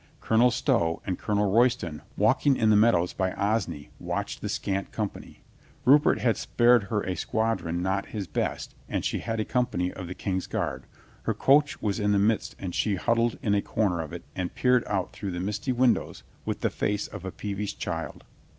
Colonel Stow and Colonel Royston, walking in the meadows by Osney, watched the scant company. Rupert had spared her a squad ron not his best and she had a company of the King's Guard. Her coach was in the midst and she huddled in a corner of it and peered out through the misty windows with the face of a peevish child.